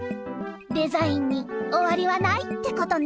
デザインにおわりはないってことね。